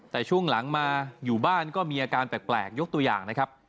แต่ช่วงหลังมาอยู่บ้านก็มีอาการแปลกยกตัวอย่างนะครับ